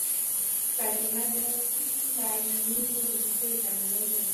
فاطمه د سانتیاګو د سفر درناوی کوي.